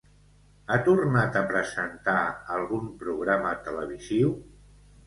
Ha tornat a presentar algun programa televisiu?